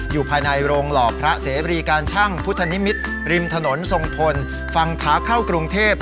อยู่ภายในโรงหล่อพระเสรีการช่างพุทธนิมิตรริมถนนทรงพลฝั่งขาเข้ากรุงเทพ